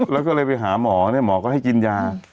แล้วก็เลยไปหาหมอก็ให้กินยา